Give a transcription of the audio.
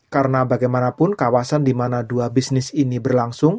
karena bagaimanapun kawasan dimana dua bisnis ini berlangsung